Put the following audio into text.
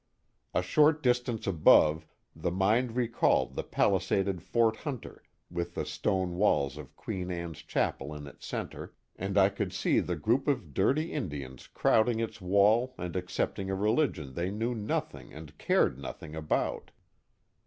A short distance above, the mind recalled the palisaded Fort Hunter, with the stone walls of Queen Anne's chapel in its centre, and I could see the group of dirty Indians crowding its wall and accepting a religion they knew nothing and cared nothing about.